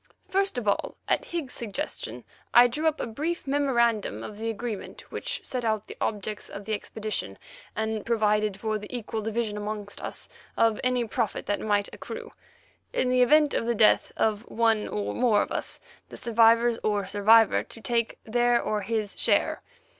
First of all, at Higgs's suggestion I drew up a brief memorandum of agreement which set out the objects of the expedition, and provided for the equal division amongst us of any profit that might accrue; in the event of the death of one or more of us, the survivors or survivor to take their or his share.